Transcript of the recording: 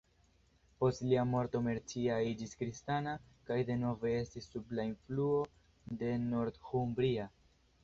Post lia morto Mercia iĝis kristana, kaj denove estis sub la influo de Northumbria.